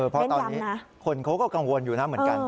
เพราะตอนนี้คนเขาก็กังวลอยู่นะเหมือนกัน